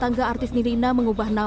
dengan membutuhkan kira kira segalanya